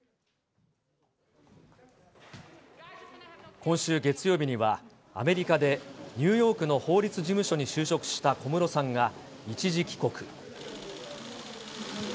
今週月曜日には、アメリカでニューヨークの法律事務所に就職した小室さんが一時帰国。